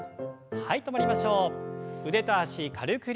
はい。